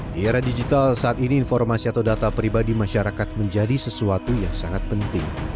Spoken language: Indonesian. di era digital saat ini informasi atau data pribadi masyarakat menjadi sesuatu yang sangat penting